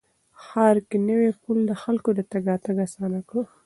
ښار کې نوی پل د خلکو تګ راتګ اسانه کړ